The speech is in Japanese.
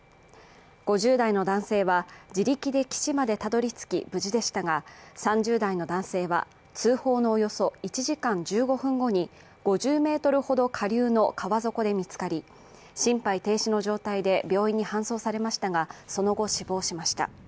５０代の男性は、自力で岸までたどりつき、無事でしたが３０代の男性は、通報のおよそ１時間１５分後に５０ｍほど下流の川底で見つかり、心肺停止の状態で病院に搬送されましたがその後、死亡しました。